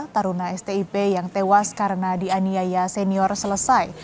taruna stip yang tewas karena dianiaya senior selesai